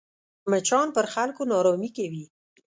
مچان پر خلکو ناارامي کوي